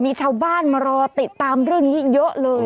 มีชาวบ้านมารอติดตามเรื่องนี้เยอะเลย